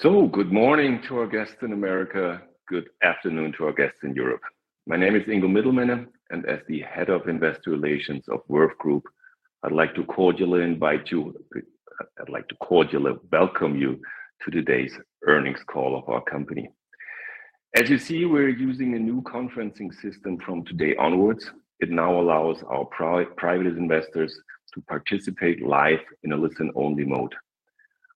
Good morning to our guests in America. Good afternoon to our guests in Europe. My name is Ingo Middelmenne, and as the Head of Investor Relations of Verve Group, I'd like to cordially welcome you to today's earnings call of our company. As you see, we're using a new conferencing system from today onwards. It now allows our private investors to participate live in a listen-only mode.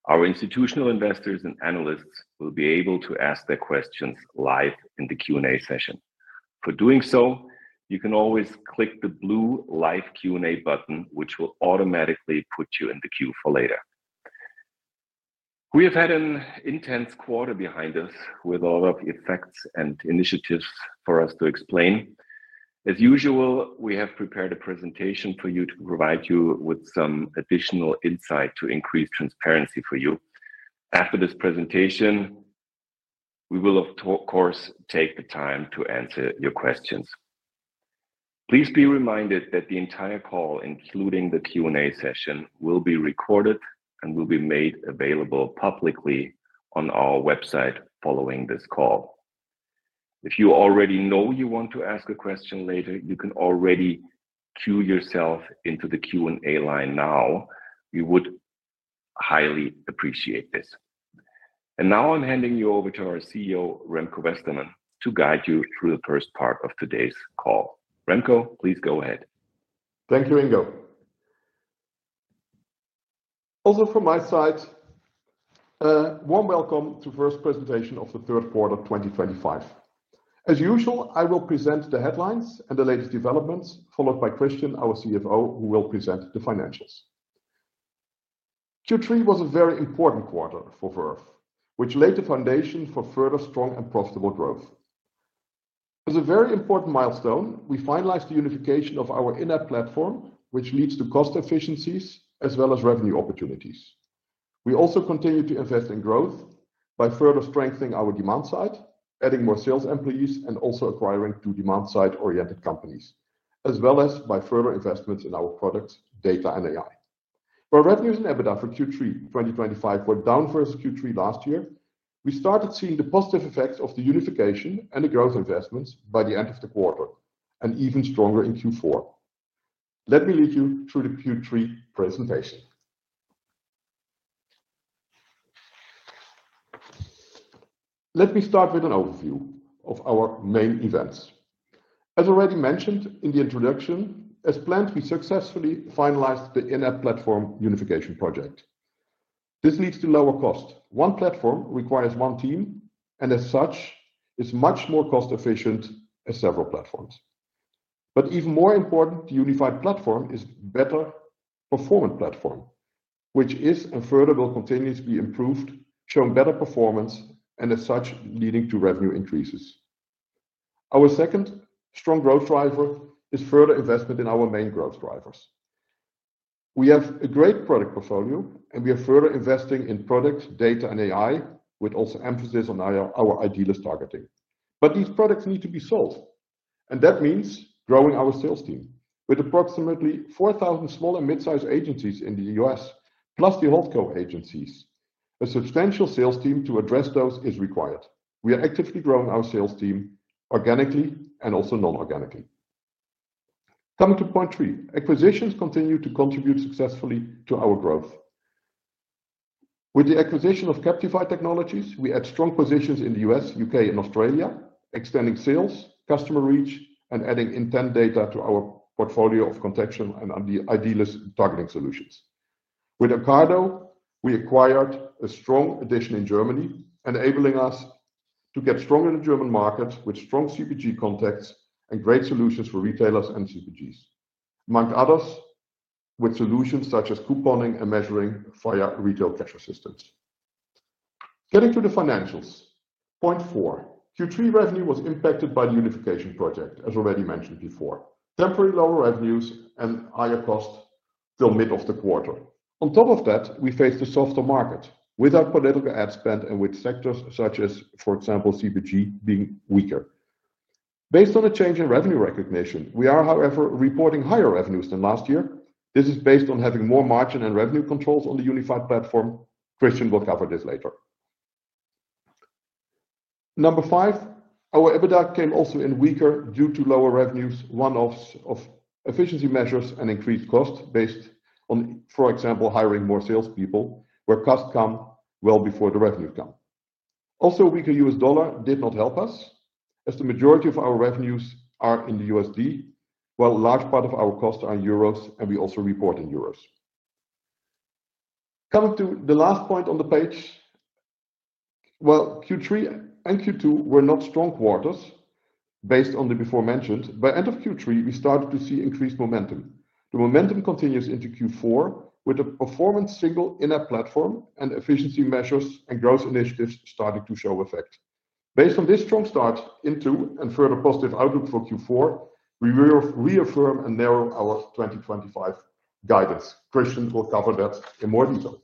Our institutional investors and analysts will be able to ask their questions live in the Q&A session. For doing so, you can always click the blue Live Q&A button, which will automatically put you in the queue for later. We have had an intense quarter behind us with a lot of effects and initiatives for us to explain. As usual, we have prepared a presentation for you to provide you with some additional insight to increase transparency for you. After this presentation, we will, of course, take the time to answer your questions. Please be reminded that the entire call, including the Q&A session, will be recorded and will be made available publicly on our website following this call. If you already know you want to ask a question later, you can already cue yourself into the Q&A line now. We would highly appreciate this. Now I am handing you over to our CEO, Remco Westermann, to guide you through the first part of today's call. Remco, please go ahead. Thank you, Ingo. Also from my side, a warm welcome to the first presentation of the third quarter of 2025. As usual, I will present the headlines and the latest developments, followed by Christian, our CFO, who will present the financials. Q3 was a very important quarter for Verve Group, which laid the foundation for further strong and profitable growth. As a very important milestone, we finalized the unification of our in-app platform, which leads to cost efficiencies as well as revenue opportunities. We also continue to invest in growth by further strengthening our demand side, adding more sales employees, and also acquiring two demand-side-oriented companies, as well as by further investments in our products, data, and AI. While revenues and EBITDA for Q3 2025 were down versus Q3 last year, we started seeing the positive effects of the unification and the growth investments by the end of the quarter, and even stronger in Q4. Let me lead you through the Q3 presentation. Let me start with an overview of our main events. As already mentioned in the introduction, as planned, we successfully finalized the in-app platform unification project. This leads to lower cost. One platform requires one team, and as such, it is much more cost-efficient than several platforms. Even more important, the unified platform is a better-performing platform, which is and further will continuously improve, showing better performance, and as such, leading to revenue increases. Our second strong growth driver is further investment in our main growth drivers. We have a great product portfolio, and we are further investing in product, data, and AI, with also emphasis on our idealist targeting. These products need to be sold, and that means growing our sales team. With approximately 4,000 small and mid-sized agencies in the U.S., plus the whole core agencies, a substantial sales team to address those is required. We are actively growing our sales team organically and also non-organically. Coming to point three, acquisitions continue to contribute successfully to our growth. With the acquisition of Captify Technologies, we add strong positions in the U.S., U.K., and Australia, extending sales, customer reach, and adding intent data to our portfolio of contextual and idealist targeting solutions. With Acardo, we acquired a strong addition in Germany, enabling us to get strong in the German market with strong CPG contacts and great solutions for retailers and CPGs, among others with solutions such as couponing and measuring via retail cash assistance. Getting to the financials, point four, Q3 revenue was impacted by the unification project, as already mentioned before. Temporary lower revenues and higher costs till mid of the quarter. On top of that, we faced a softer market without political ad spend and with sectors such as, for example, CPG being weaker. Based on a change in revenue recognition, we are, however, reporting higher revenues than last year. This is based on having more margin and revenue controls on the unified platform. Christian will cover this later. Number five, our EBITDA came also in weaker due to lower revenues, one-offs of efficiency measures and increased costs based on, for example, hiring more salespeople, where costs come well before the revenues come. Also, weaker U.S. dollar did not help us, as the majority of our revenues are in the USD, while a large part of our costs are in euros, and we also report in euros. Coming to the last point on the page, while Q3 and Q2 were not strong quarters, based on the before mentioned, by the end of Q3, we started to see increased momentum. The momentum continues into Q4 with a performant single in-app platform and efficiency measures and growth initiatives starting to show effect. Based on this strong start into and further positive outlook for Q4, we reaffirm and narrow our 2025 guidance. Christian will cover that in more detail.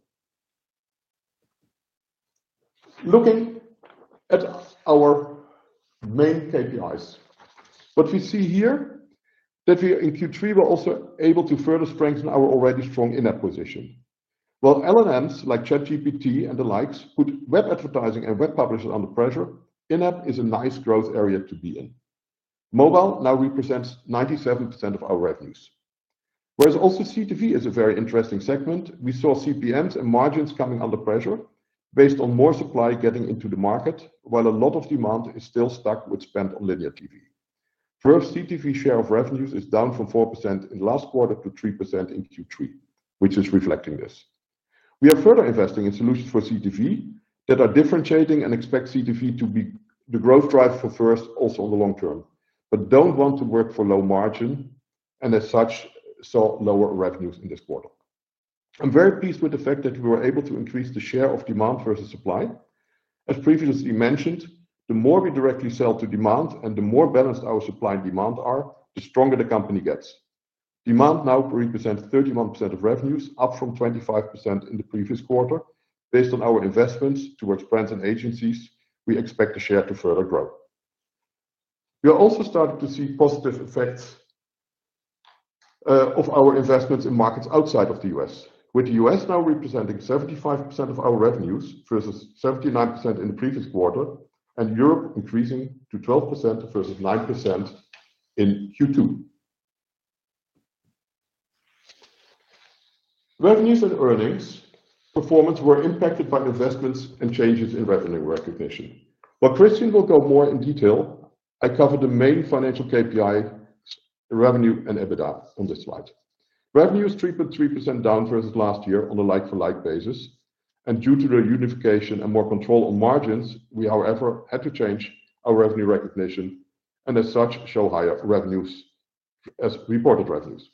Looking at our main KPIs, what we see here is that in Q3, we were also able to further strengthen our already strong in-app position. While LLMs like ChatGPT and the likes put web advertising and web publishers under pressure, in-app is a nice growth area to be in. Mobile now represents 7% of our revenues. Whereas also CTV is a very interesting segment, we saw CPMs and margins coming under pressure based on more supply getting into the market, while a lot of demand is still stuck with spend on linear TV. Verve's CTV share of revenues is down from 4% in the last quarter to 3% in Q3, which is reflecting this. We are further investing in solutions for CTV that are differentiating and expect CTV to be the growth drive for Verve also in the long term, but do not want to work for low margin and as such saw lower revenues in this quarter. I am very pleased with the fact that we were able to increase the share of demand versus supply. As previously mentioned, the more we directly sell to demand and the more balanced our supply and demand are, the stronger the company gets. Demand now represents 31% of revenues, up from 25% in the previous quarter. Based on our investments towards brands and agencies, we expect the share to further grow. We are also starting to see positive effects of our investments in markets outside of the U.S., with the U.S. now representing 75% of our revenues versus 7% in the previous quarter, and Europe increasing to 12% versus 9% in Q2. Revenues and earnings performance were impacted by investments and changes in revenue recognition. While Christian will go more in detail, I cover the main financial KPIs, revenue, and EBITDA on this slide. Revenue is 3.3% down versus last year on a like-for-like basis. Due to the unification and more control on margins, we, however, had to change our revenue recognition and as such show higher revenues as reported revenues.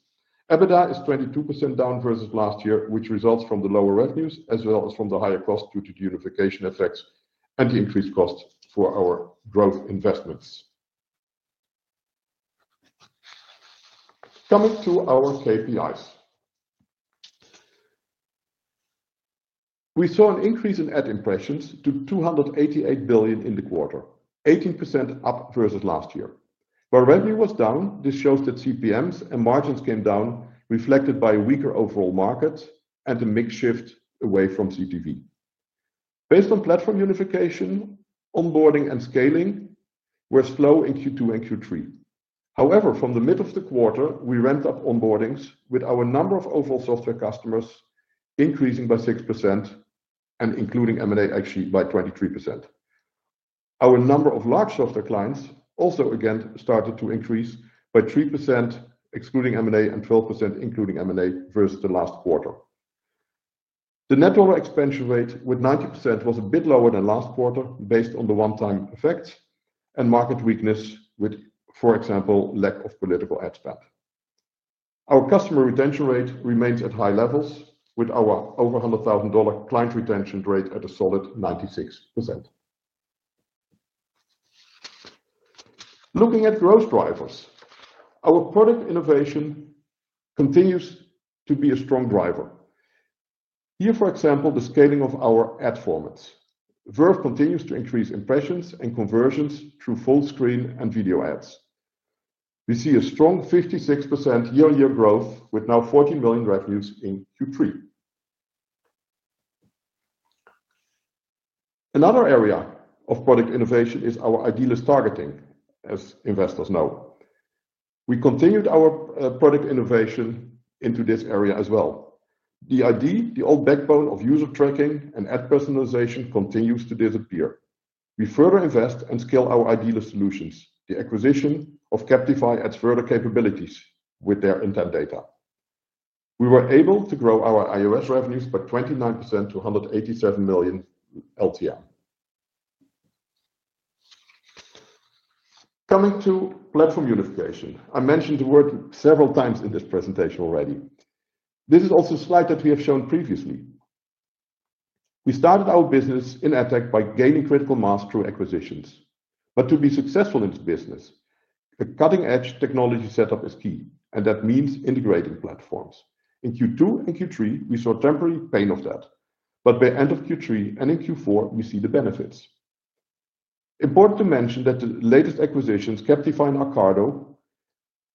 EBITDA is 22% down versus last year, which results from the lower revenues as well as from the higher cost due to the unification effects and the increased cost for our growth investments. Coming to our KPIs, we saw an increase in ad impressions to 288 billion in the quarter, 18% up versus last year. While revenue was down, this shows that CPMs and margins came down, reflected by weaker overall markets and a mixed shift away from CTV. Based on platform unification, onboarding and scaling were slow in Q2 and Q3. However, from the mid of the quarter, we ramped up onboardings with our number of overall software customers increasing by 6% and including M&A actually by 23%. Our number of large software clients also again started to increase by 3% excluding M&A and 12% including M&A versus the last quarter. The net dollar expansion rate with 90% was a bit lower than last quarter based on the one-time effects and market weakness with, for example, lack of political ad spend. Our customer retention rate remains at high levels with our over $100,000 client retention rate at a solid 96%. Looking at growth drivers, our product innovation continues to be a strong driver. Here, for example, the scaling of our ad formats. Verve continues to increase impressions and conversions through full-screen and video ads. We see a strong 56% year-on-year growth with now 14 million revenues in Q3. Another area of product innovation is our idealist targeting, as investors know. We continued our product innovation into this area as well. The ID, the old backbone of user tracking and ad personalization, continues to disappear. We further invest and scale our idealist solutions, the acquisition of Captify adds further capabilities with their intent data. We were able to grow our iOS revenues by 29% to 187 million LTM. Coming to platform unification, I mentioned the word several times in this presentation already. This is also a slide that we have shown previously. We started our business in ad tech by gaining critical mass through acquisitions. To be successful in this business, a cutting-edge technology setup is key, and that means integrating platforms. In Q2 and Q3, we saw temporary pain of that. By the end of Q3 and in Q4, we see the benefits. Important to mention that the latest acquisitions, Captify and Acardo,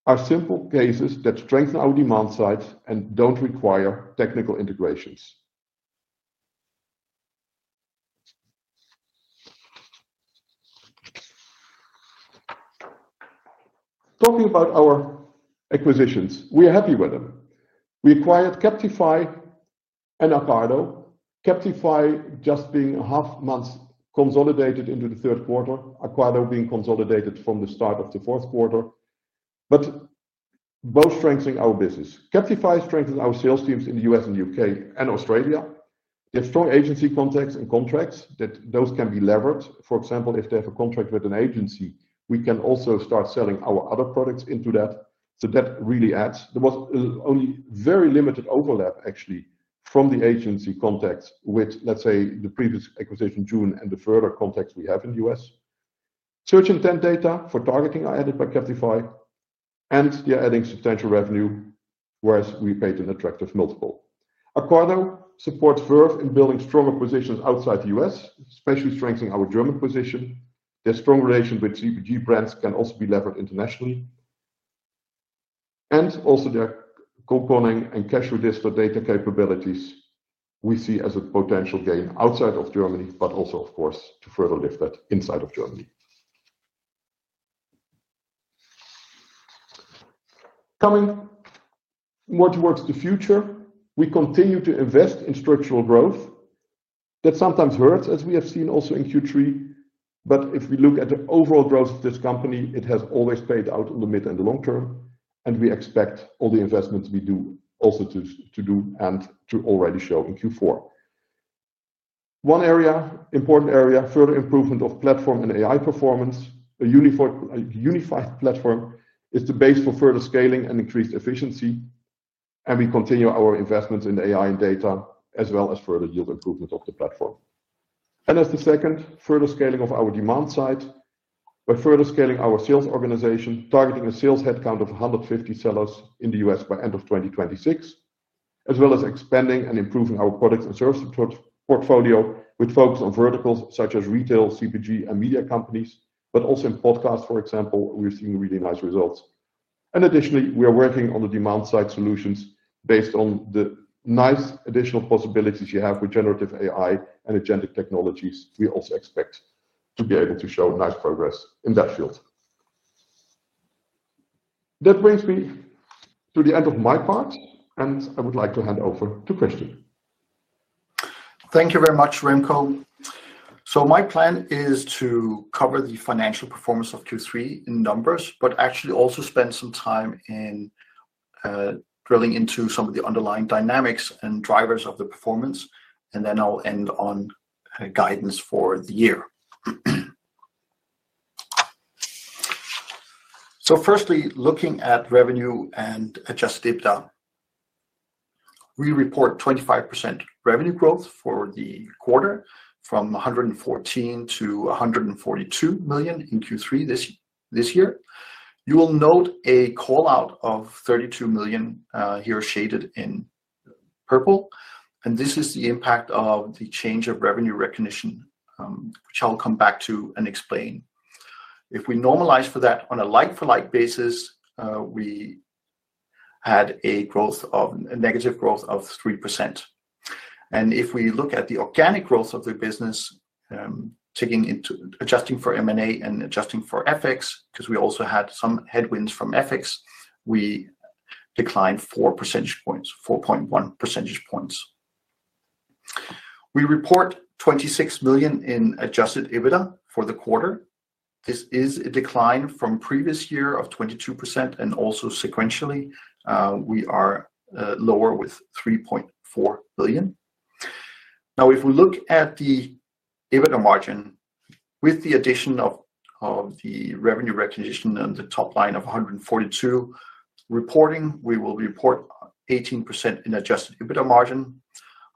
are simple cases that strengthen our demand sides and do not require technical integrations. Talking about our acquisitions, we are happy with them. We acquired Captify and Acardo, Captify just being a half month consolidated into the third quarter, Acardo being consolidated from the start of the fourth quarter, but both strengthening our business. Captify strengthens our sales teams in the U.S. and U.K. and Australia. They have strong agency contacts and contracts that those can be levered. For example, if they have a contract with an agency, we can also start selling our other products into that. That really adds. There was only very limited overlap actually from the agency contacts with, let's say, the previous acquisition, Jun Group, and the further contacts we have in the U.S... Search intent data for targeting are added by Captify, and they're adding substantial revenue, whereas we paid an attractive multiple. Acardo supports Verve in building stronger positions outside the U.S, especially strengthening our German position. Their strong relation with CPG brands can also be leveraged internationally. Also, their couponing and cash register data capabilities we see as a potential gain outside of Germany, but also, of course, to further lift that inside of Germany. Coming more towards the future, we continue to invest in structural growth that sometimes hurts, as we have seen also in Q3. If we look at the overall growth of this company, it has always paid out in the mid and the long term, and we expect all the investments we do also to do and to already show in Q4. One area, important area, further improvement of platform and AI performance. A unified platform is the base for further scaling and increased efficiency, and we continue our investments in AI and data as well as further yield improvement of the platform. As the second, further scaling of our demand side by further scaling our sales organization, targeting a sales headcount of 150 sellers in the U.S. by the end of 2026, as well as expanding and improving our products and services portfolio with focus on verticals such as retail, CPG, and media companies, but also in podcasts, for example, we are seeing really nice results. Additionally, we are working on the demand side solutions based on the nice additional possibilities you have with generative AI and agentic technologies. We also expect to be able to show nice progress in that field. That brings me to the end of my part, and I would like to hand over to Christian. Thank you very much, Remco. My plan is to cover the financial performance of Q3 in numbers, but actually also spend some time in drilling into some of the underlying dynamics and drivers of the performance, and then I'll end on guidance for the year. Firstly, looking at revenue and adjusted EBITDA, we report 25% revenue growth for the quarter from 114 million to 142 million in Q3 this year. You will note a callout of 32 million here shaded in purple, and this is the impact of the change of revenue recognition, which I'll come back to and explain. If we normalize for that on a like-for-like basis, we had a growth of a negative growth of 3%. If we look at the organic growth of the business, adjusting for M&A and adjusting for FX, because we also had some headwinds from FX, we declined 4 percentage points, 4.1 percentage points. We report 26 million in adjusted EBITDA for the quarter. This is a decline from previous year of 22%, and also sequentially, we are lower with 3.4 billion. If we look at the EBITDA margin with the addition of the revenue recognition and the top line of 142 million reporting, we will report 18% in adjusted EBITDA margin.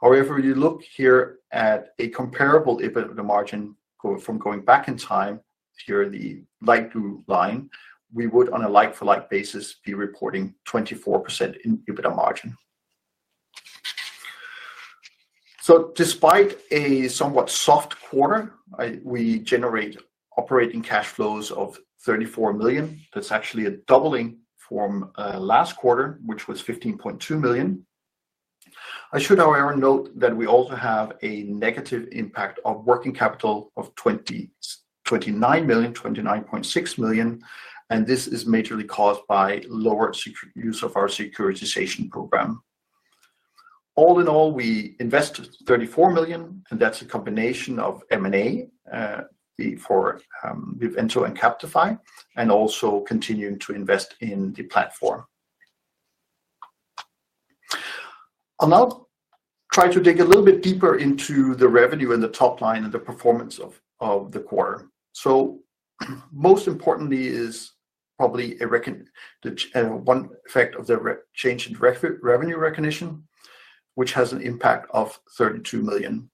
However, if you look here at a comparable EBITDA margin from back in time, here in the light blue line, we would, on a like-for-like basis, be reporting 24% in EBITDA margin. Despite a somewhat soft quarter, we generate operating cash flows of 34 million. That's actually a doubling from last quarter, which was 15.2 million. I should, however, note that we also have a negative impact of working capital of 29 million, 29.6 million, and this is majorly caused by lower use of our securitization program. All in all, we invested 34 million, and that's a combination of M&A for Vivento and Captify and also continuing to invest in the platform. I'll now try to dig a little bit deeper into the revenue and the top line and the performance of the quarter. Most importantly is probably one effect of the change in revenue recognition, which has an impact of 32 million.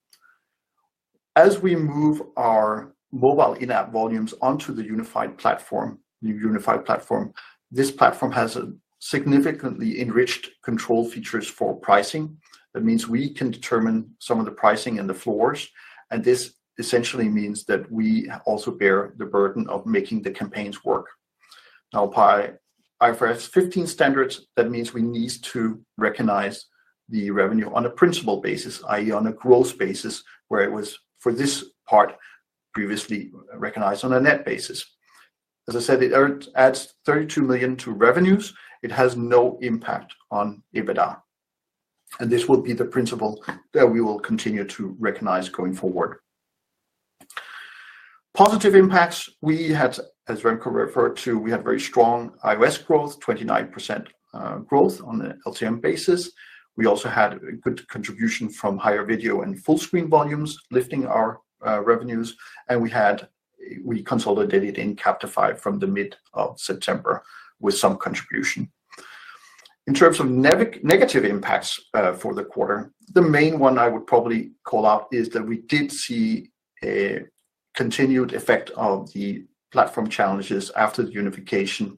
As we move our mobile in-app volumes onto the unified platform, this platform has significantly enriched control features for pricing. That means we can determine some of the pricing and the floors, and this essentially means that we also bear the burden of making the campaigns work. Now, by IFRS 15 standards, that means we need to recognize the revenue on a principal basis, i.e., on a gross basis, where it was for this part previously recognized on a net basis. As I said, it adds 32 million to revenues. It has no impact on EBITDA, and this will be the principal that we will continue to recognize going forward. Positive impacts we had, as Remco referred to, we had very strong iOS growth, 29% growth on an LTM basis. We also had a good contribution from higher video and full-screen volumes lifting our revenues, and we consolidated in Captify from the mid of September with some contribution. In terms of negative impacts for the quarter, the main one I would probably call out is that we did see a continued effect of the platform challenges after the unification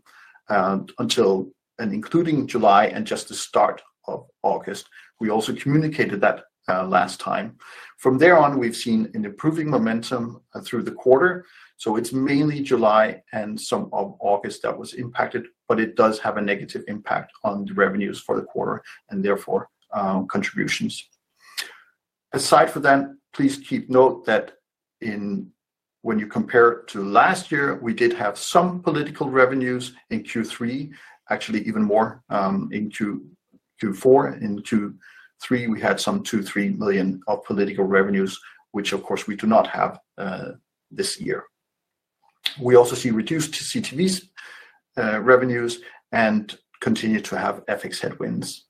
until and including July and just the start of August. We also communicated that last time. From there on, we've seen an improving momentum through the quarter. It is mainly July and some of August that was impacted, but it does have a negative impact on the revenues for the quarter and therefore contributions. Aside from that, please keep note that when you compare to last year, we did have some political revenues in Q3, actually even more in Q4. In Q3, we had some $2-3 million of political revenues, which of course we do not have this year. We also see reduced CTV revenues and continue to have FX headwinds.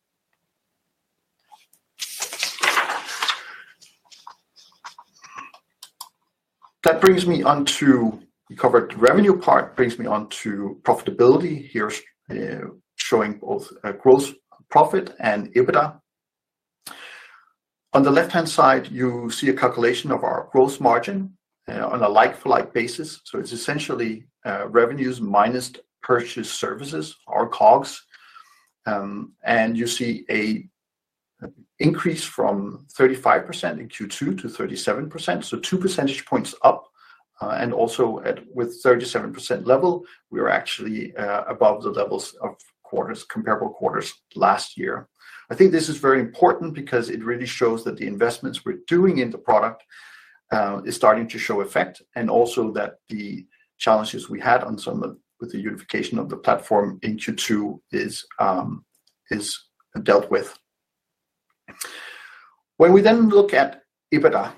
That brings me on to we covered the revenue part, brings me on to profitability here showing both gross profit and EBITDA. On the left-hand side, you see a calculation of our gross margin on a like-for-like basis. So it is essentially revenues minus purchase services, our COGS. You see an increase from 35% in Q2 to 37%, so 2 percentage points up. Also, at the 37% level, we are actually above the levels of comparable quarters last year. I think this is very important because it really shows that the investments we're doing in the product is starting to show effect and also that the challenges we had with the unification of the platform in Q2 is dealt with. When we then look at EBITDA,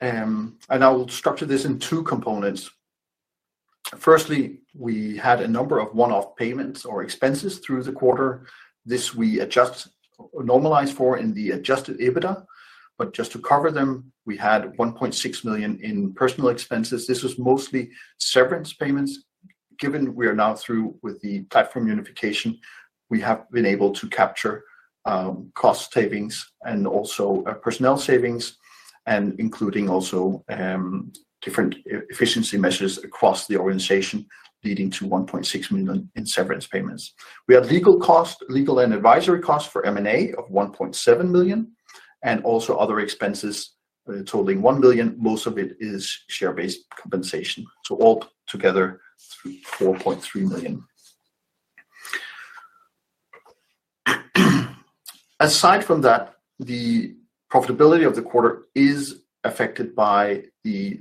and I will structure this in two components. Firstly, we had a number of one-off payments or expenses through the quarter. This we adjust, normalize for in the adjusted EBITDA, but just to cover them, we had 1.6 million in personnel expenses. This was mostly severance payments. Given we are now through with the platform unification, we have been able to capture cost savings and also personnel savings and including also different efficiency measures across the organization leading to 1.6 million in severance payments. We had legal and advisory costs for M&A of 1.7 million and also other expenses totaling 1 million. Most of it is share-based compensation. So all together 4.3 million. Aside from that, the profitability of the quarter is affected by the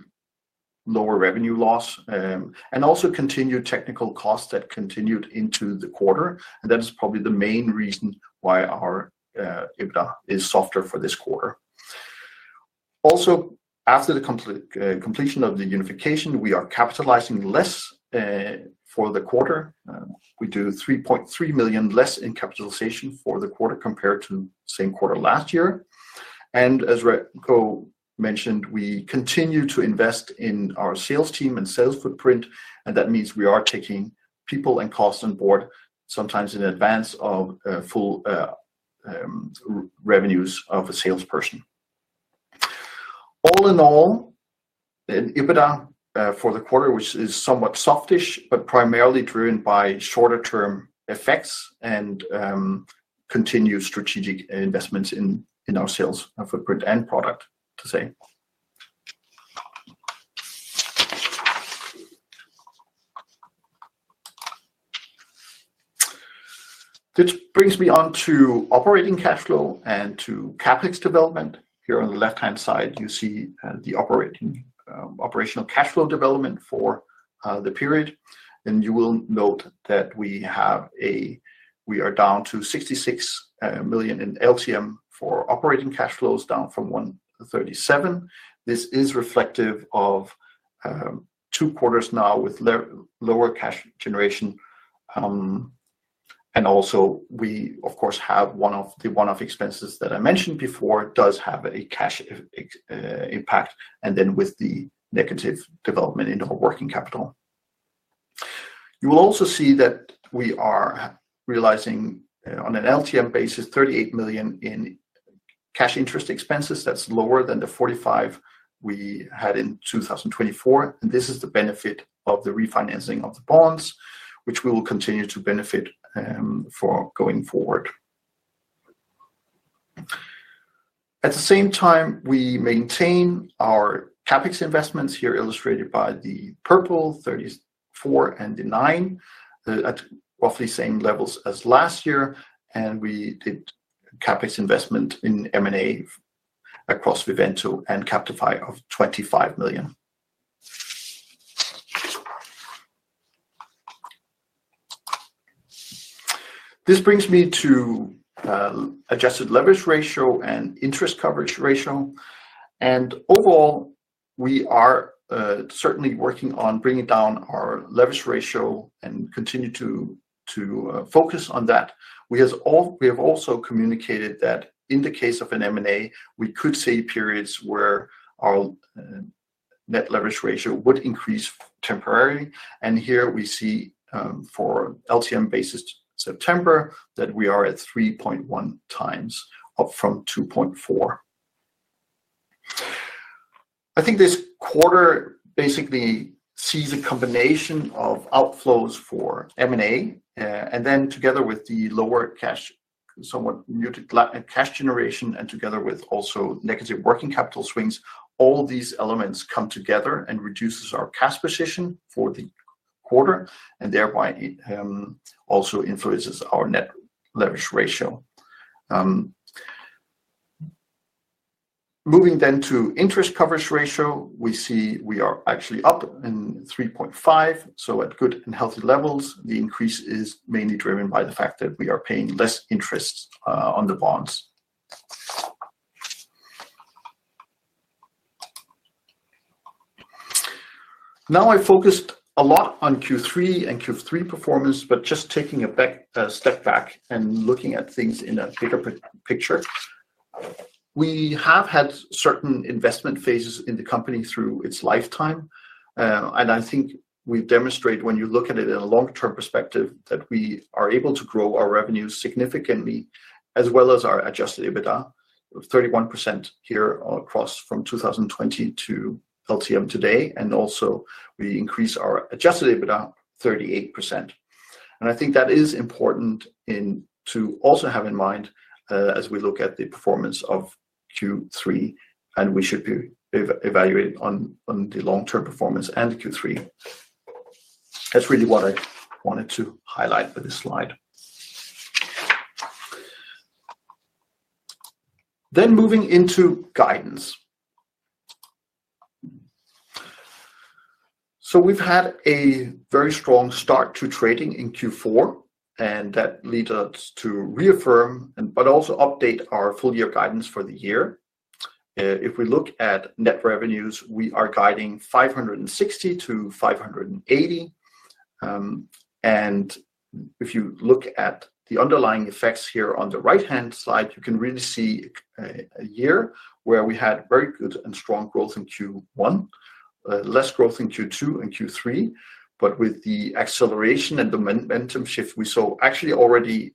lower revenue loss and also continued technical costs that continued into the quarter. That is probably the main reason why our EBITDA is softer for this quarter. Also, after the completion of the unification, we are capitalizing less for the quarter. We do 3.3 million less in capitalization for the quarter compared to the same quarter last year. As Remco mentioned, we continue to invest in our sales team and sales footprint, and that means we are taking people and costs on board sometimes in advance of full revenues of a salesperson. All in all, EBITDA for the quarter, which is somewhat softish, but primarily driven by shorter-term effects and continued strategic investments in our sales footprint and product to say. This brings me on to operating cash flow and to CapEx development. Here on the left-hand side, you see the operating operational cash flow development for the period. You will note that we are down to 66 million in LTM for operating cash flows, down from 137 million. This is reflective of two quarters now with lower cash generation. We, of course, have one of the one-off expenses that I mentioned before does have a cash impact and then with the negative development into our working capital. You will also see that we are realizing on an LTM basis 38 million in cash interest expenses. That is lower than the 45 million we had in 2024. This is the benefit of the refinancing of the bonds, which we will continue to benefit for going forward. At the same time, we maintain our CapEx investments here illustrated by the purple 34 and the nine at roughly same levels as last year. We did CapEx investment in M&A across Vivento and Captify of 25 million. This brings me to adjusted leverage ratio and interest coverage ratio. Overall, we are certainly working on bringing down our leverage ratio and continue to focus on that. We have also communicated that in the case of an M&A, we could see periods where our net leverage ratio would increase temporarily. Here we see for LTM basis September that we are at 3.1 times, up from 2.4. I think this quarter basically sees a combination of outflows for M&A and then together with the lower cash, somewhat muted cash generation and together with also negative working capital swings, all these elements come together and reduces our cash position for the quarter and thereby also influences our net leverage ratio. Moving then to interest coverage ratio, we see we are actually up in 3.5, so at good and healthy levels. The increase is mainly driven by the fact that we are paying less interest on the bonds. Now I focused a lot on Q3 and Q3 performance, but just taking a step back and looking at things in a bigger picture. We have had certain investment phases in the company through its lifetime. I think we demonstrate when you look at it in a long-term perspective that we are able to grow our revenues significantly as well as our adjusted EBITDA of 31% here across from 2020 to LTM today. We also increased our adjusted EBITDA 38%. I think that is important to also have in mind as we look at the performance of Q3 and we should be evaluated on the long-term performance and Q3. That is really what I wanted to highlight with this slide. Moving into guidance, we have had a very strong start to trading in Q4 and that led us to reaffirm and also update our full year guidance for the year. If we look at net revenues, we are guiding 560 million-580 million. If you look at the underlying effects here on the right-hand side, you can really see a year where we had very good and strong growth in Q1, less growth in Q2 and Q3. With the acceleration and the momentum shift we saw actually already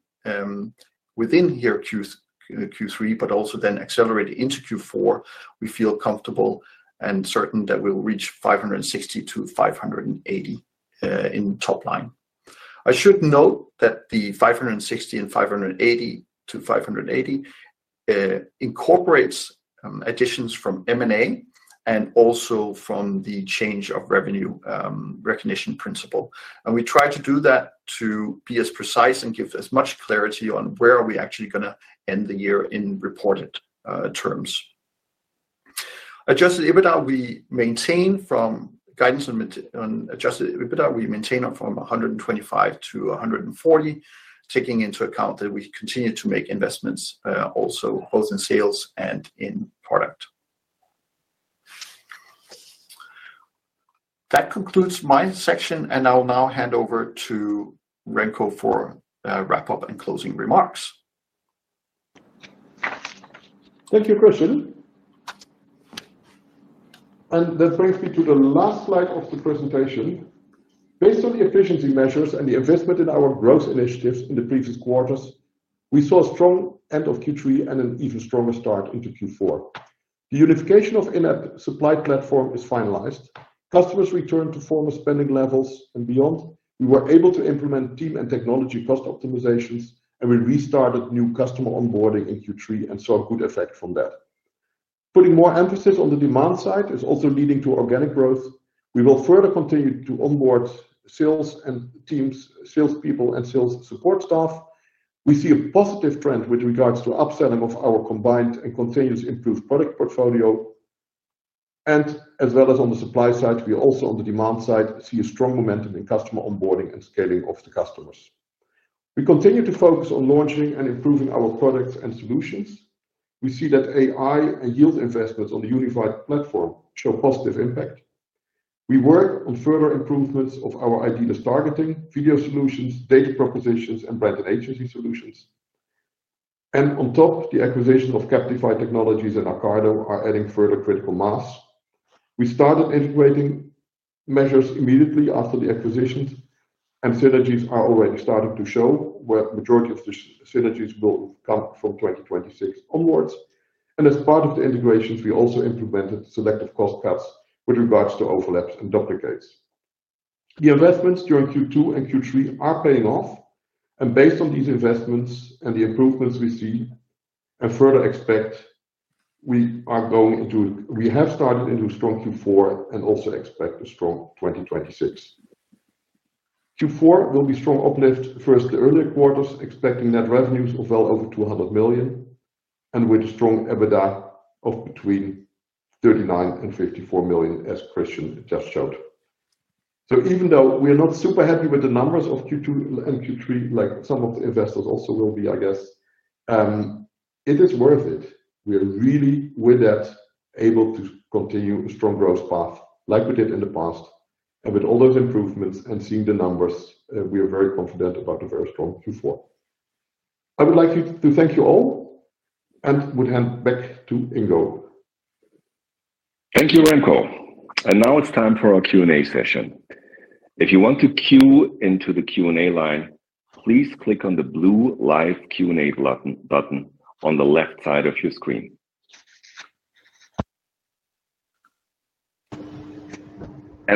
within here Q3, but also then accelerated into Q4, we feel comfortable and certain that we will reach 560 million-580 million in top line. I should note that the 560 million-580 million incorporates additions from M&A and also from the change of revenue recognition principle. We try to do that to be as precise and give as much clarity on where are we actually going to end the year in reported terms. Adjusted EBITDA we maintain from guidance on adjusted EBITDA, we maintain from 125 million to 140 million, taking into account that we continue to make investments also both in sales and in product. That concludes my section, and I'll now hand over to Remco for wrap-up and closing remarks. Thank you, Christian. That brings me to the last slide of the presentation. Based on the efficiency measures and the investment in our growth initiatives in the previous quarters, we saw a strong end of Q3 and an even stronger start into Q4. The unification of in-app supply platform is finalized. Customers returned to former spending levels and beyond. We were able to implement team and technology cost optimizations, and we restarted new customer onboarding in Q3 and saw a good effect from that. Putting more emphasis on the demand side is also leading to organic growth. We will further continue to onboard sales and teams, salespeople, and sales support staff. We see a positive trend with regards to upselling of our combined and continuous improved product portfolio. As well as on the supply side, we also on the demand side see strong momentum in customer onboarding and scaling of the customers. We continue to focus on launching and improving our products and solutions. We see that AI and yield investments on the unified platform show positive impact. We work on further improvements of our ideal targeting, video solutions, data propositions, and branded agency solutions. On top, the acquisition of Captify Technologies and Acardo are adding further critical mass. We started integrating measures immediately after the acquisitions, and synergies are already starting to show where the majority of the synergies will come from 2026 onwards. As part of the integrations, we also implemented selective cost cuts with regards to overlaps and duplicates. The investments during Q2 and Q3 are paying off. Based on these investments and the improvements we see and further expect, we are going into, we have started into, strong Q4 and also expect a strong 2026. Q4 will be strong uplift, first the earlier quarters, expecting net revenues of well over 200 million and with a strong EBITDA of between 39 million-54 million as Christian just showed. Even though we are not super happy with the numbers of Q2 and Q3, like some of the investors also will be, I guess, it is worth it. We are really with that able to continue a strong growth path like we did in the past. With all those improvements and seeing the numbers, we are very confident about a very strong Q4. I would like to thank you all and would hand back to Ingo. Thank you, Remco. Now it is time for our Q&A session. If you want to queue into the Q&A line, please click on the blue live Q&A button on the left side of your screen.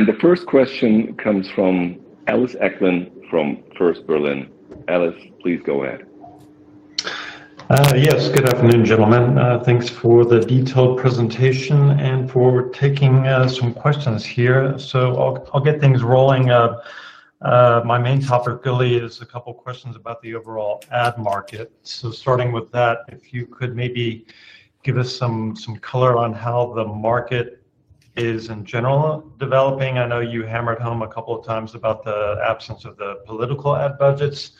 The first question comes from Alice Eklund from First Berlin. Alice, please go ahead. Yes, good afternoon, gentlemen. Thanks for the detailed presentation and for taking some questions here. I'll get things rolling. My main topic really is a couple of questions about the overall ad market. Starting with that, if you could maybe give us some color on how the market is in general developing. I know you hammered home a couple of times about the absence of the political ad budgets.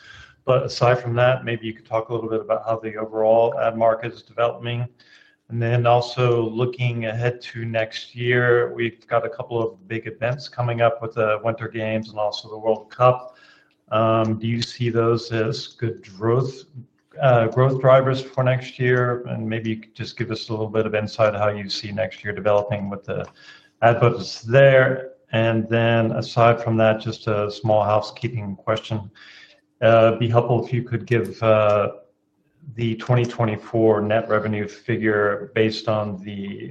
Aside from that, maybe you could talk a little bit about how the overall ad market is developing. Also, looking ahead to next year, we've got a couple of big events coming up with the Winter Games and also the World Cup. Do you see those as good growth drivers for next year? Maybe just give us a little bit of insight on how you see next year developing with the ad budgets there. Aside from that, just a small housekeeping question. It would be helpful if you could give the 2024 net revenue figure based on the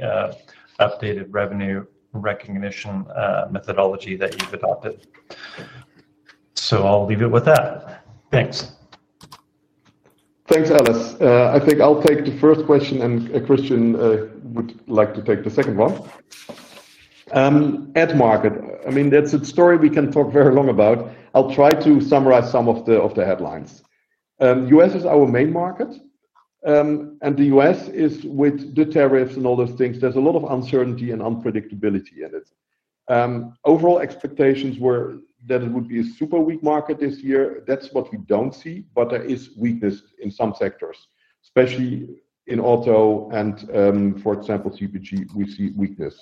updated revenue recognition methodology that you have adopted. I will leave it with that. Thanks. Thanks, Alice. I think I'll take the first question and Christian would like to take the second one. Ad market, I mean, that's a story we can talk very long about. I'll try to summarize some of the headlines. The U.S. is our main market. The U.S. is with the tariffs and all those things, there's a lot of uncertainty and unpredictability in it. Overall expectations were that it would be a super weak market this year. That's what we don't see, but there is weakness in some sectors, especially in auto and, for example, CPG, we see weakness.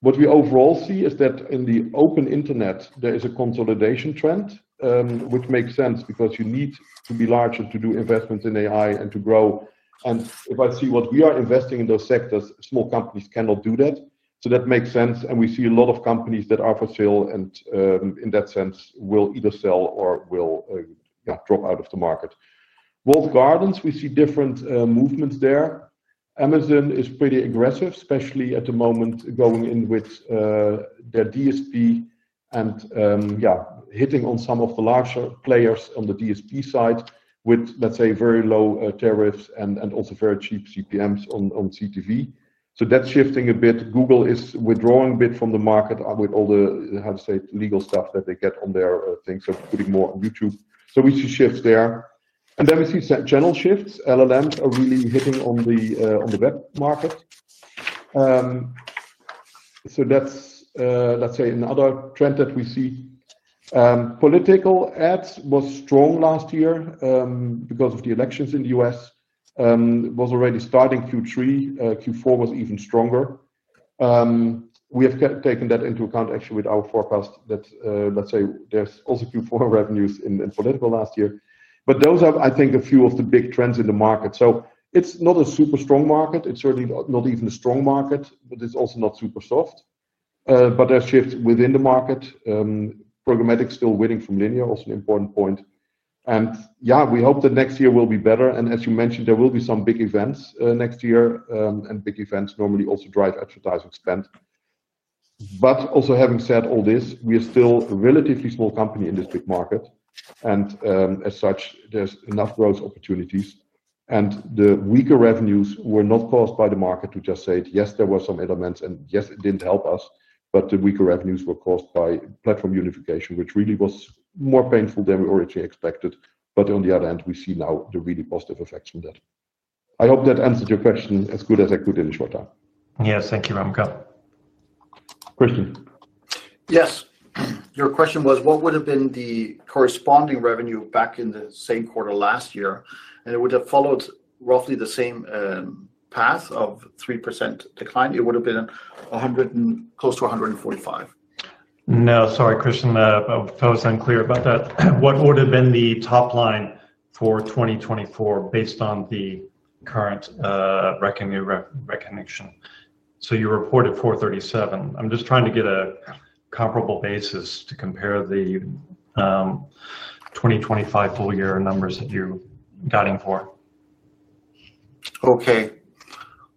What we overall see is that in the open internet, there is a consolidation trend, which makes sense because you need to be large and to do investments in AI and to grow. If I see what we are investing in those sectors, small companies cannot do that. That makes sense. We see a lot of companies that are for sale and in that sense will either sell or will drop out of the market. Wolf Gardens, we see different movements there. Amazon is pretty aggressive, especially at the moment going in with their DSP and hitting on some of the larger players on the DSP side with, let's say, very low tariffs and also very cheap CPMs on CTV. That is shifting a bit. Google is withdrawing a bit from the market with all the, how to say, legal stuff that they get on their things of putting more on YouTube. We see shifts there. We see channel shifts. LLMs are really hitting on the web market. That is, let's say, another trend that we see. Political ads were strong last year because of the elections in the U.S.. It was already starting Q3. Q4 was even stronger. We have taken that into account actually with our forecast that, let's say, there's also Q4 revenues in political last year. Those are, I think, a few of the big trends in the market. It is not a super strong market. It is certainly not even a strong market, but it is also not super soft. There are shifts within the market. Programmatic still winning from linear is also an important point. Yeah, we hope that next year will be better. As you mentioned, there will be some big events next year. Big events normally also drive advertising spend. Also, having said all this, we are still a relatively small company in this big market. As such, there are enough growth opportunities. The weaker revenues were not caused by the market to just say, yes, there were some elements and yes, it did not help us. The weaker revenues were caused by platform unification, which really was more painful than we originally expected. On the other hand, we see now the really positive effects from that. I hope that answered your question as good as I could in a short time. Yes, thank you, Remco. Christian. Yes. Your question was, what would have been the corresponding revenue back in the same quarter last year? It would have followed roughly the same path of 3% decline. It would have been close to 145 million. No, sorry, Christian. I was unclear about that. What would have been the top line for 2024 based on the current revenue recognition? You reported 437 million. I'm just trying to get a comparable basis to compare the 2025 full year numbers that you're guiding for. Okay.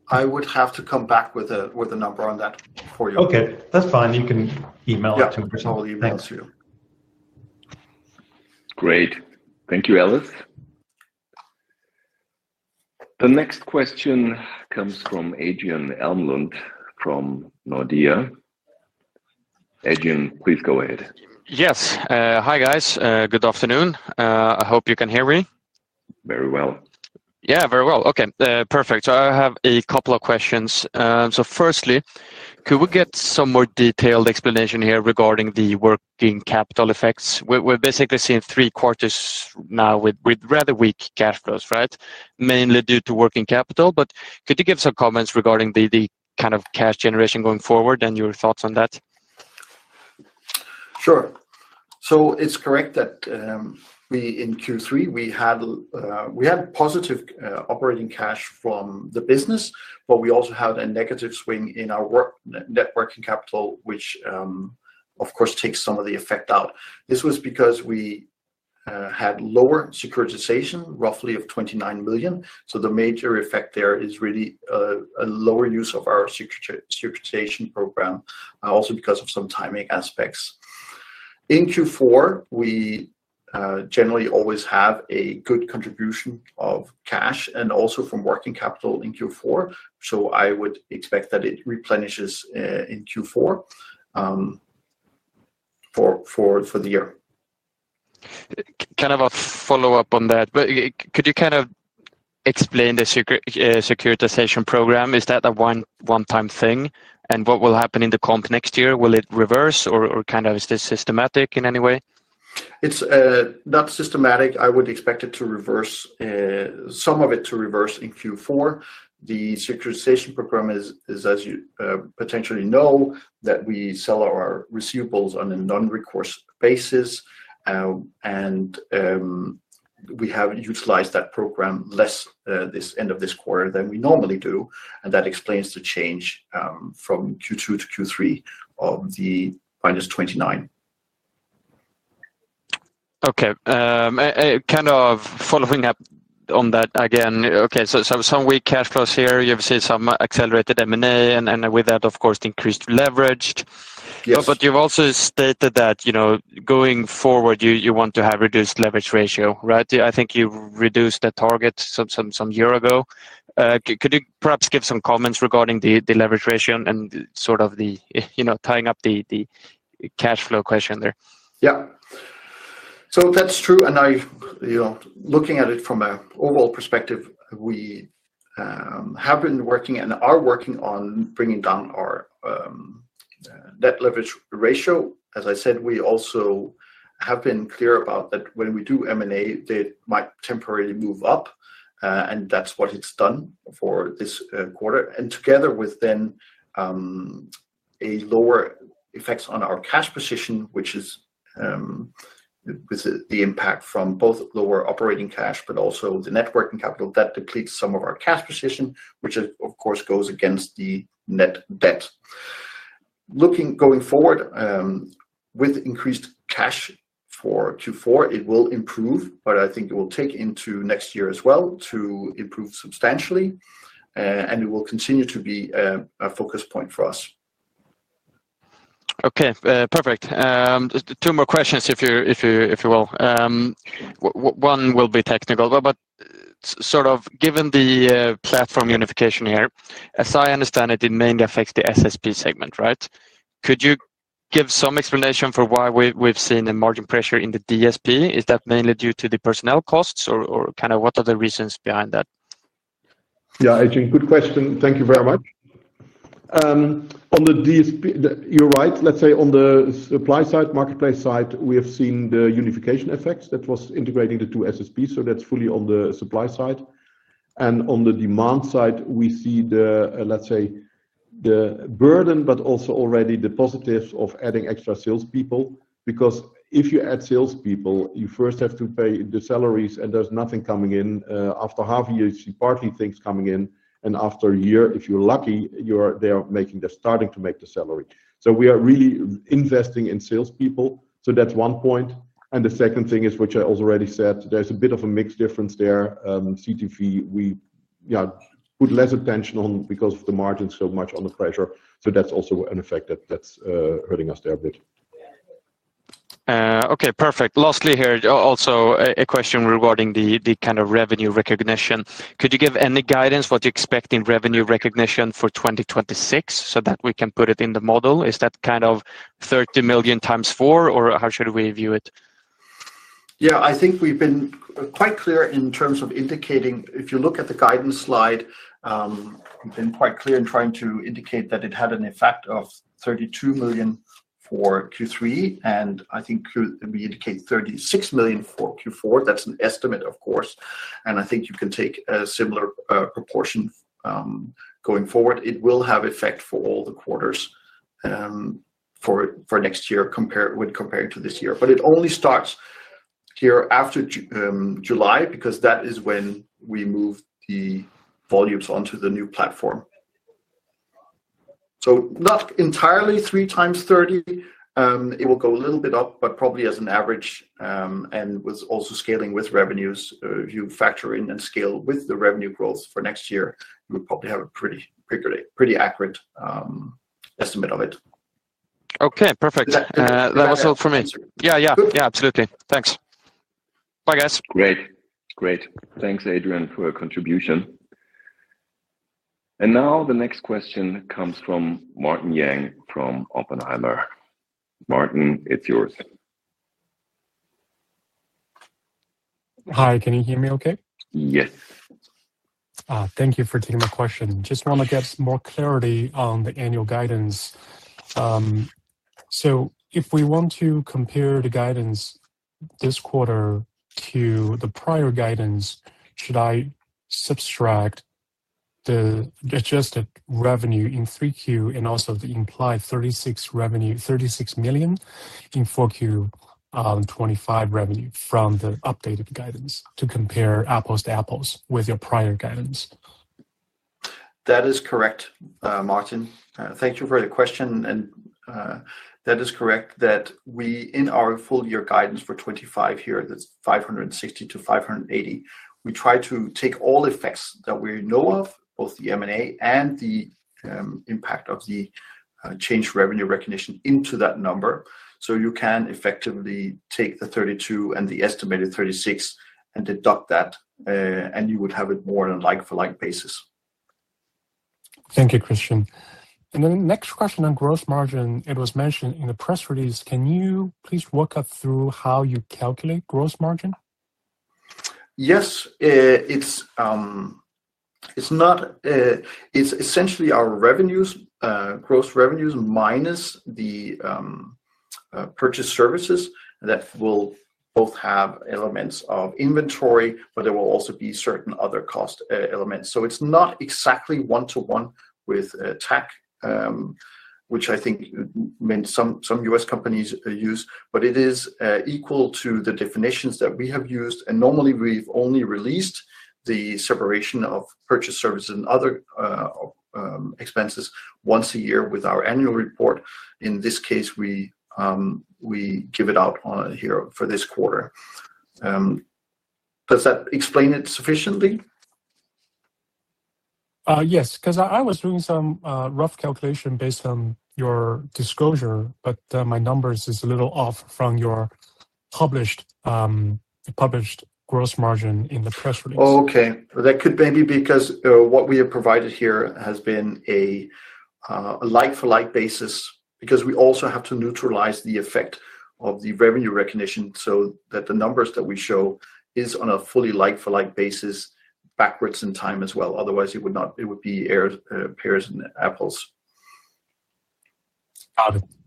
I would have to come back with a number on that for you. Okay. That's fine. You can email it to me. Yes, I will email it to you. Great. Thank you, Alice. The next question comes from Adrian Elmlund from Nordea. Adrian, please go ahead. Yes. Hi, guys. Good afternoon. I hope you can hear me. Very well. Yeah, very well. Okay. Perfect. I have a couple of questions. Firstly, could we get some more detailed explanation here regarding the working capital effects? We are basically seeing three quarters now with rather weak cash flows, right? Mainly due to working capital. Could you give some comments regarding the kind of cash generation going forward and your thoughts on that? Sure. So it is correct that in Q3, we had positive operating cash from the business, but we also had a negative swing in our net working capital, which of course takes some of the effect out. This was because we had lower securitization, roughly of 29 million. The major effect there is really a lower use of our securitization program, also because of some timing aspects. In Q4, we generally always have a good contribution of cash and also from working capital in Q4. I would expect that it replenishes in Q4 for the year. Kind of a follow-up on that. Could you kind of explain the securitization program? Is that a one-time thing? What will happen in the comp next year? Will it reverse or kind of is this systematic in any way? It's not systematic. I would expect it to reverse. Some of it to reverse in Q4. The securitization program is, as you potentially know, that we sell our receivables on a non-recourse basis. We have utilized that program less this end of this quarter than we normally do. That explains the change from Q2 to Q3 of the minus 29. Okay. Kind of following up on that again. Okay. So some weak cash flows here. You've seen some accelerated M&A and with that, of course, the increased leverage. You've also stated that going forward, you want to have a reduced leverage ratio, right? I think you reduced that target some year ago. Could you perhaps give some comments regarding the leverage ratio and sort of the tying up the cash flow question there? Yeah. So that's true. Looking at it from an overall perspective, we have been working and are working on bringing down our net leverage ratio. As I said, we also have been clear about that when we do M&A, it might temporarily move up. That's what it's done for this quarter. Together with then a lower effects on our cash position, which is with the impact from both lower operating cash, but also the net working capital, that depletes some of our cash position, which of course goes against the net debt. Looking going forward with increased cash for Q4, it will improve, but I think it will take into next year as well to improve substantially. It will continue to be a focus point for us. Okay. Perfect. Two more questions, if you will. One will be technical, but sort of given the platform unification here, as I understand it, it mainly affects the SSP segment, right? Could you give some explanation for why we've seen a margin pressure in the DSP? Is that mainly due to the personnel costs or kind of what are the reasons behind that? Yeah, Adrian, good question. Thank you very much. On the DSP, you're right. Let's say on the supply side, marketplace side, we have seen the unification effects that was integrating the two SSPs. That is fully on the supply side. On the demand side, we see the, let's say, the burden, but also already the positives of adding extra salespeople. Because if you add salespeople, you first have to pay the salaries and there is nothing coming in. After half a year, you see partly things coming in. After a year, if you're lucky, they are starting to make the salary. We are really investing in salespeople. That is one point. The second thing is, which I also already said, there is a bit of a mixed difference there. CTV, we put less attention on because of the margin so much on the pressure. That's also an effect that's hurting us there a bit. Okay. Perfect. Lastly here, also a question regarding the kind of revenue recognition. Could you give any guidance what you expect in revenue recognition for 2026 so that we can put it in the model? Is that kind of 30 million times four or how should we view it? Yeah, I think we've been quite clear in terms of indicating. If you look at the guidance slide, we've been quite clear in trying to indicate that it had an effect of 32 million for Q3. I think we indicate 36 million for Q4. That's an estimate, of course. I think you can take a similar proportion going forward. It will have effect for all the quarters for next year when comparing to this year. It only starts here after July because that is when we move the volumes onto the new platform. Not entirely three times 30. It will go a little bit up, but probably as an average. With also scaling with revenues, if you factor in and scale with the revenue growth for next year, you would probably have a pretty accurate estimate of it. Okay. Perfect. That was all from me. Yeah, absolutely. Thanks. Bye, guys. Great. Great. Thanks, Adrian, for your contribution. Now the next question comes from Martin Yang from Oppenheimer. Martin, it's yours. Hi. Can you hear me okay? Yes. Thank you for taking my question. Just want to get some more clarity on the annual guidance. If we want to compare the guidance this quarter to the prior guidance, should I subtract the adjusted revenue in Q3 and also the implied 36 million in Q4 2025 revenue from the updated guidance to compare apples to apples with your prior guidance? That is correct, Martin. Thank you for the question. That is correct that we, in our full year guidance for 2025 here, that is 560 million-580 million, we try to take all effects that we know of, both the M&A and the impact of the change in revenue recognition, into that number. You can effectively take the 32 million and the estimated 36 million and deduct that, and you would have it more on a like-for-like basis. Thank you, Christian. The next question on gross margin, it was mentioned in a press release. Can you please walk us through how you calculate gross margin? Yes. It is essentially our revenues, gross revenues minus the purchase services that will both have elements of inventory, but there will also be certain other cost elements. It is not exactly one-to-one with TAC, which I think some U.S. companies use, but it is equal to the definitions that we have used. Normally, we have only released the separation of purchase services and other expenses once a year with our annual report. In this case, we give it out here for this quarter. Does that explain it sufficiently? Yes, because I was doing some rough calculation based on your disclosure, but my numbers are a little off from your published gross margin in the press release. Okay. That could maybe be because what we have provided here has been a like-for-like basis because we also have to neutralize the effect of the revenue recognition so that the numbers that we show are on a fully like-for-like basis backwards in time as well. Otherwise, it would be pears and apples.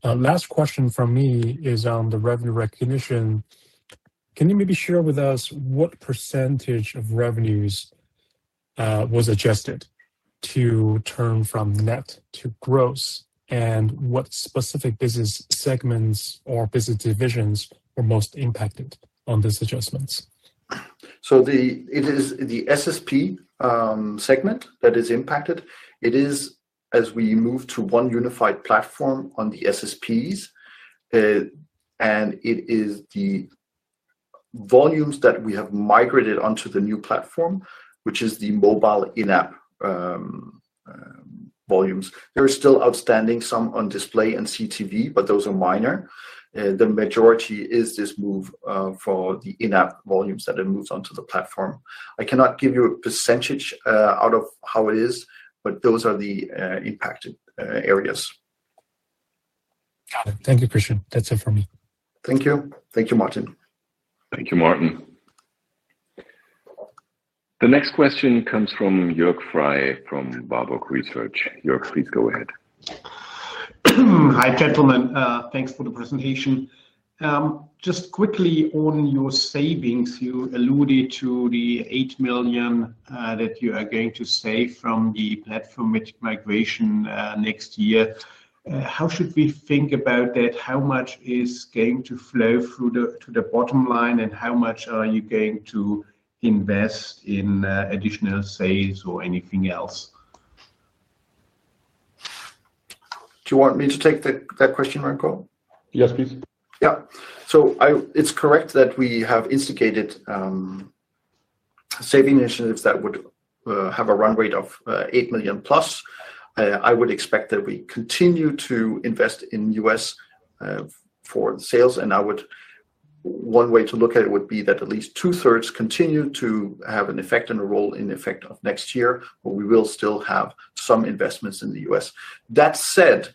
Last question from me is on the revenue recognition. Can you maybe share with us what percentage of revenues was adjusted to turn from net to gross? And what specific business segments or business divisions were most impacted on these adjustments? It is the SSP segment that is impacted. It is as we move to one unified platform on the SSPs. It is the volumes that we have migrated onto the new platform, which is the mobile in-app volumes. There are still outstanding some on display and CTV, but those are minor. The majority is this move for the in-app volumes that have moved onto the platform. I cannot give you a percentage out of how it is, but those are the impacted areas. Got it. Thank you, Christian. That's it for me. Thank you. Thank you, Martin. Thank you, Martin. The next question comes from Jörg Frey from Baerbock Research. Jörg, please go ahead. Hi, gentlemen. Thanks for the presentation. Just quickly on your savings, you alluded to the 8 million that you are going to save from the platform migration next year. How should we think about that? How much is going to flow through to the bottom line? How much are you going to invest in additional sales or anything else? Do you want me to take that question, Remco? Yes, please. Yeah. So it's correct that we have instigated saving initiatives that would have a run rate of 8 million plus. I would expect that we continue to invest in the U.S. for sales. One way to look at it would be that at least two-thirds continue to have an effect and a role in effect of next year, but we will still have some investments in the U.S.. That said,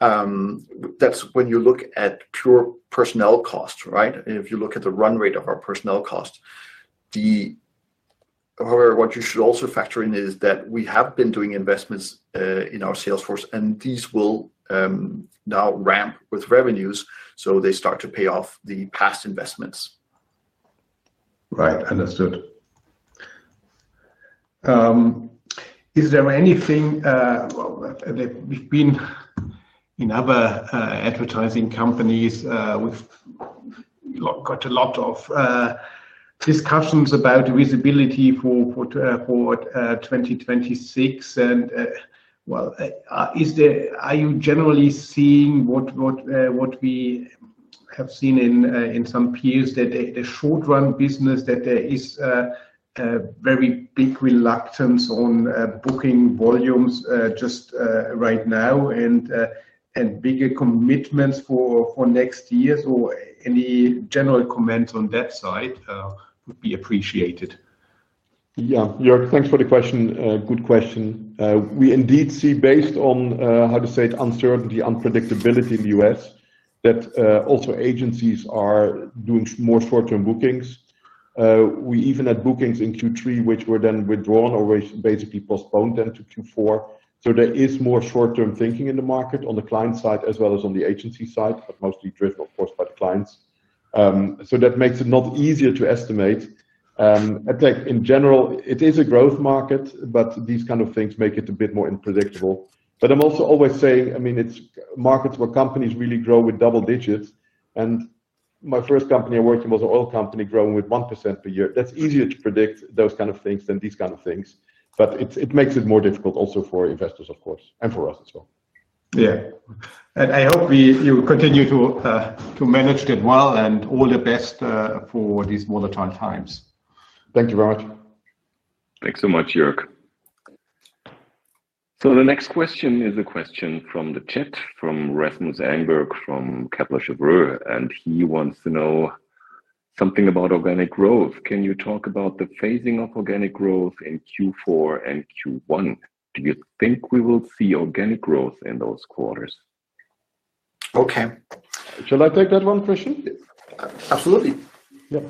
that's when you look at pure personnel cost, right? If you look at the run rate of our personnel cost, however, what you should also factor in is that we have been doing investments in our sales force, and these will now ramp with revenues. They start to pay off the past investments. Right. Understood. Is there anything? We've been in other advertising companies. We've got a lot of discussions about visibility for 2026. Are you generally seeing what we have seen in some peers that the short-run business, that there is very big reluctance on booking volumes just right now and bigger commitments for next year? Any general comments on that side would be appreciated. Yeah. Jörg, thanks for the question. Good question. We indeed see, based on, how to say it, uncertainty, unpredictability in the U.S., that also agencies are doing more short-term bookings. We even had bookings in Q3, which were then withdrawn or basically postponed then to Q4. There is more short-term thinking in the market on the client side as well as on the agency side, but mostly driven, of course, by the clients. That makes it not easier to estimate. In general, it is a growth market, but these kind of things make it a bit more unpredictable. I'm also always saying, I mean, it's markets where companies really grow with double digits. My first company I worked in was an oil company growing with 1% per year. That's easier to predict, those kind of things, than these kind of things. It makes it more difficult also for investors, of course, and for us as well. Yeah. I hope you continue to manage that well and all the best for these volatile times. Thank you very much. Thanks so much, Jörg. The next question is a question from the chat from Rasmus Engberg from Kepler Cheuvreux. He wants to know something about organic growth. Can you talk about the phasing of organic growth in Q4 and Q1? Do you think we will see organic growth in those quarters? Okay. Shall I take that one, Christian? Absolutely. Yeah.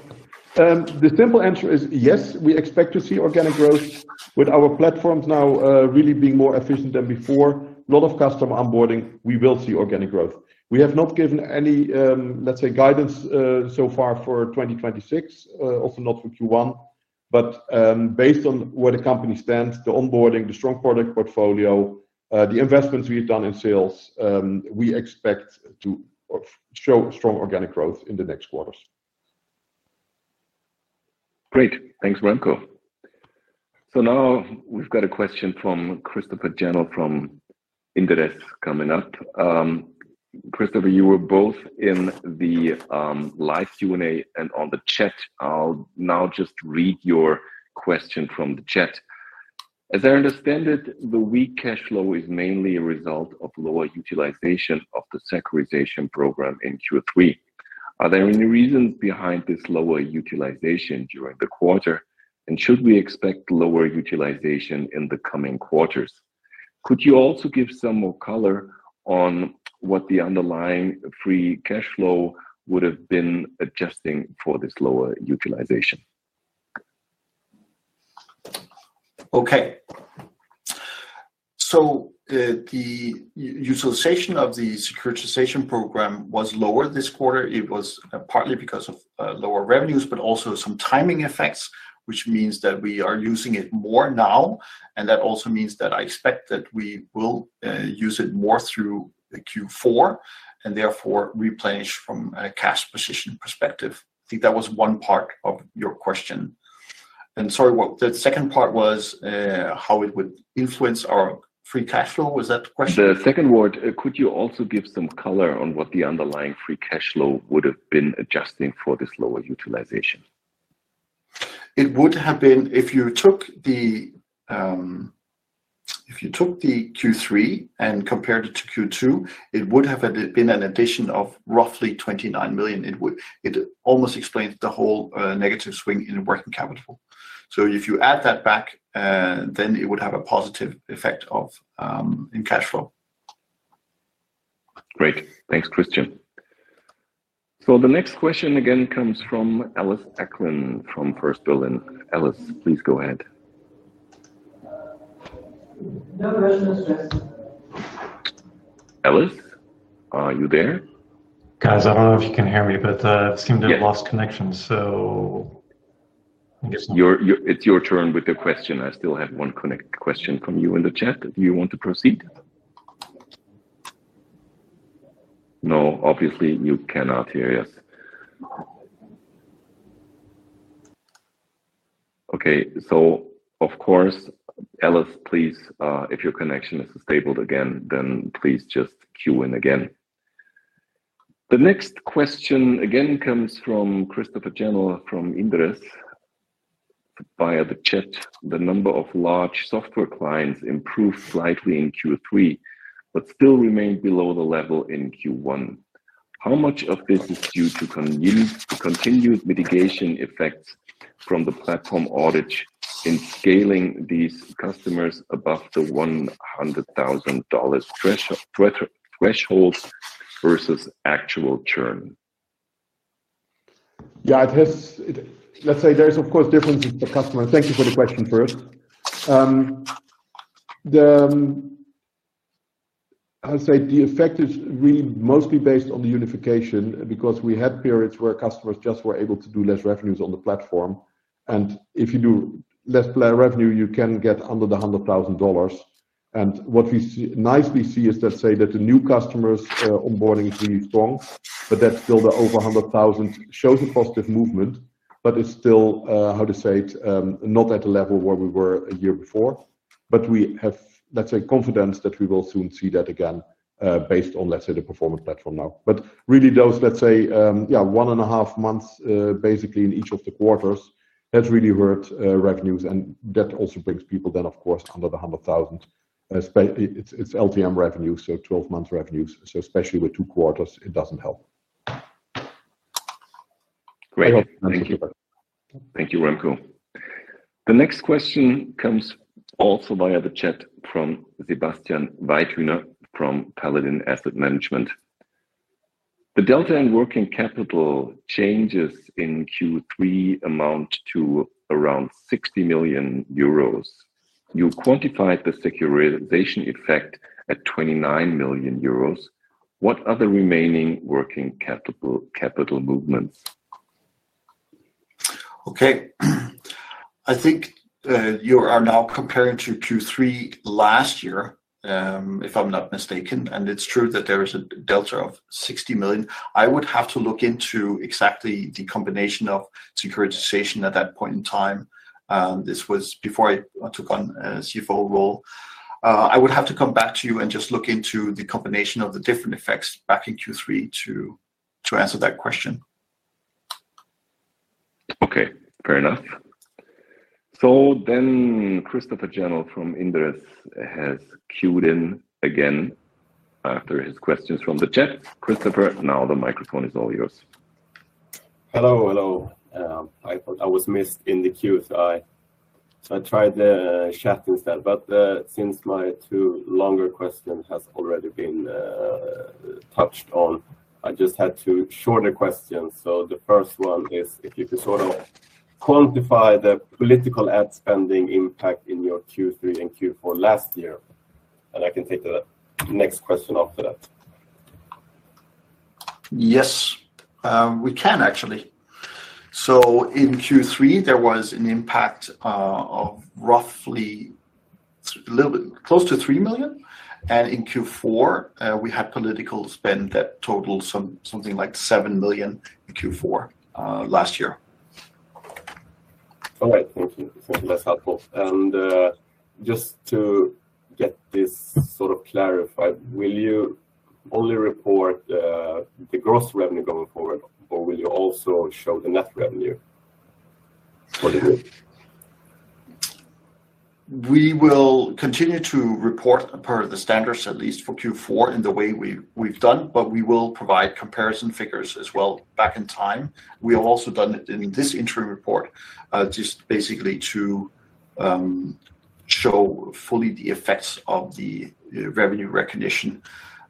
The simple answer is yes, we expect to see organic growth with our platforms now really being more efficient than before. A lot of customer onboarding, we will see organic growth. We have not given any, let's say, guidance so far for 2026, also not for Q1. Based on where the company stands, the onboarding, the strong product portfolio, the investments we have done in sales, we expect to show strong organic growth in the next quarters. Great. Thanks, Remco. Now we've got a question from Christopher General from Inderes coming up. Christopher, you were both in the live Q&A and on the chat. I'll now just read your question from the chat. As I understand it, the weak cash flow is mainly a result of lower utilization of the securitization program in Q3. Are there any reasons behind this lower utilization during the quarter? Should we expect lower utilization in the coming quarters? Could you also give some more color on what the underlying free cash flow would have been adjusting for this lower utilization? Okay. The utilization of the securitization program was lower this quarter. It was partly because of lower revenues, but also some timing effects, which means that we are using it more now. That also means that I expect that we will use it more through Q4 and therefore replenish from a cash position perspective. I think that was one part of your question. Sorry, the second part was how it would influence our free cash flow. Was that the question? Could you also give some color on what the underlying free cash flow would have been adjusting for this lower utilization? It would have been if you took the Q3 and compared it to Q2, it would have been an addition of roughly 29 million. It almost explains the whole negative swing in working capital. If you add that back, then it would have a positive effect in cash flow. Great. Thanks, Christian. The next question again comes from Alice Eklund from First Berlin. Alice, please go ahead. No questions. Alice, are you there? Guys, I don't know if you can hear me, but I seemed to have lost connection. So I guess. It's your turn with the question. I still have one question from you in the chat. Do you want to proceed? No, obviously, you cannot hear us. Okay. Of course, Alice, please, if your connection is stable again, then please just queue in again. The next question again comes from Christopher General from Inderes via the chat. The number of large software clients improved slightly in Q3, but still remained below the level in Q1. How much of this is due to continued mitigation effects from the platform outage in scaling these customers above the $100,000 threshold versus actual churn? Yeah. Let's say there's, of course, differences for customers. Thank you for the question first. I'll say the effect is really mostly based on the unification because we had periods where customers just were able to do less revenues on the platform. If you do less revenue, you can get under the $100,000. What we nicely see is, let's say, that the new customers' onboarding is really strong, but that build over $100,000 shows a positive movement, but it's still, how to say it, not at the level where we were a year before. We have, let's say, confidence that we will soon see that again based on, let's say, the performance platform now. Really, those, let's say, yeah, one and a half months basically in each of the quarters, that's really hurt revenues. That also brings people then, of course, under the $100,000. It's LTM revenues, so 12-month revenues. Especially with two quarters, it doesn't help. Great. Thank you. Thank you, Remco. The next question comes also via the chat from Sebastian Weithüner from Paladin Asset Management. The delta in working capital changes in Q3 amount to around 60 million euros. You quantified the securitization effect at 29 million euros. What are the remaining working capital movements? Okay. I think you are now comparing to Q3 last year, if I'm not mistaken. It is true that there is a delta of 60 million. I would have to look into exactly the combination of securitization at that point in time. This was before I took on a CFO role. I would have to come back to you and just look into the combination of the different effects back in Q3 to answer that question. Okay. Fair enough. So then Christopher General from Inderes has queued in again after his questions from the chat. Christopher, now the microphone is all yours. Hello. Hello. I was missed in the queue. I tried the chat instead. Since my two longer questions have already been touched on, I just had two shorter questions. The first one is if you could sort of quantify the political ad spending impact in your Q3 and Q4 last year. I can take the next question after that. Yes. We can, actually. In Q3, there was an impact of roughly close to three million. In Q4, we had political spend that totaled something like 7 million in Q4 last year. All right. Thank you. That is helpful. And just to get this sort of clarified, will you only report the gross revenue going forward, or will you also show the net revenue? We will continue to report per the standards at least for Q4 in the way we've done, but we will provide comparison figures as well back in time. We have also done it in this interim report just basically to show fully the effects of the revenue recognition.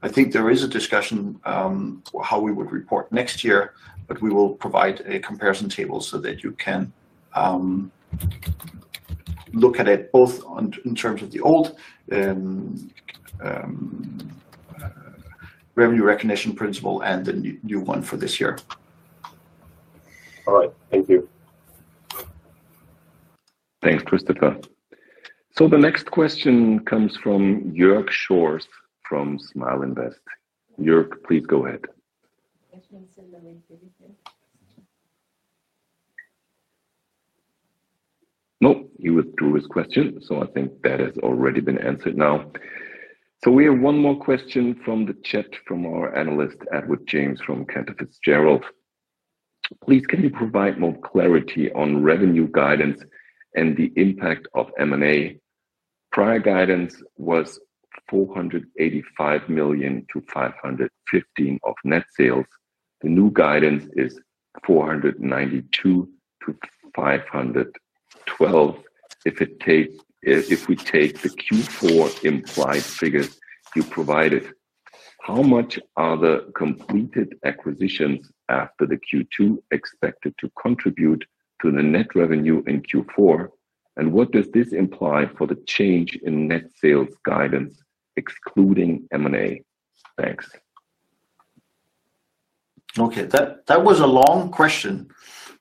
I think there is a discussion how we would report next year, but we will provide a comparison table so that you can look at it both in terms of the old revenue recognition principle and the new one for this year. All right. Thank you. Thanks, Christopher. The next question comes from Jörg Schorst from Smile Invest. Jörg, please go ahead. No, he withdrew his question. I think that has already been answered now. We have one more question from the chat from our analyst, Edward James from Kent Fitzgerald. Please, can you provide more clarity on revenue guidance and the impact of M&A? Prior guidance was 485 million-515 million of net sales. The new guidance is 492 million-512 million. If we take the Q4 implied figures you provided, how much are the completed acquisitions after the Q2 expected to contribute to the net revenue in Q4? What does this imply for the change in net sales guidance excluding M&A? Thanks. Okay. That was a long question,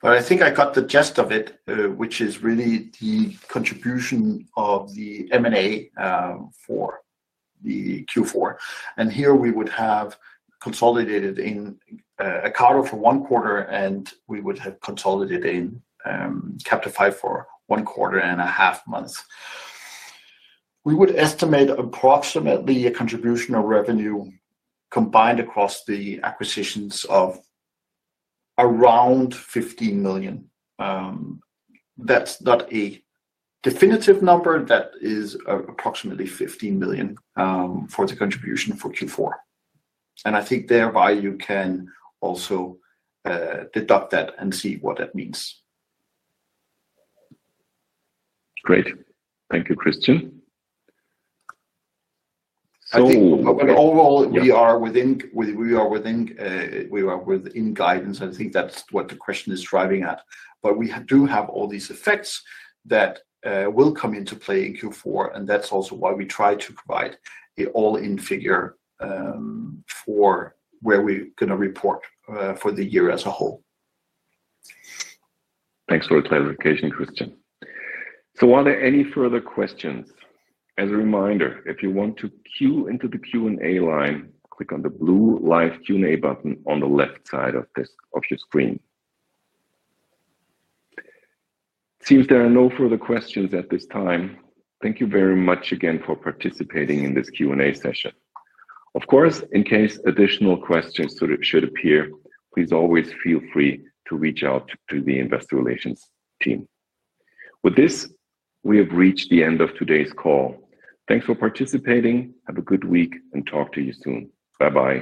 but I think I got the gist of it, which is really the contribution of the M&A for the Q4. Here we would have consolidated in Acardo for one quarter, and we would have consolidated in Captify for one and a half months. We would estimate approximately a contribution of revenue combined across the acquisitions of around 15 million. That is not a definitive number. That is approximately 15 million for the contribution for Q4. I think thereby you can also deduct that and see what that means. Great. Thank you, Christian. I think overall we are within guidance. I think that's what the question is driving at. We do have all these effects that will come into play in Q4. That is also why we try to provide an all-in figure for where we're going to report for the year as a whole. Thanks for the clarification, Christian. Are there any further questions? As a reminder, if you want to queue into the Q&A line, click on the blue live Q&A button on the left side of your screen. It seems there are no further questions at this time. Thank you very much again for participating in this Q&A session. Of course, in case additional questions should appear, please always feel free to reach out to the investor relations team. With this, we have reached the end of today's call. Thanks for participating. Have a good week and talk to you soon. Bye-bye.